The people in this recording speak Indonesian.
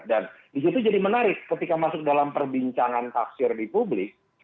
dan itu tuh jadi menarik ketika masuk dalam perbincangan taksir di publik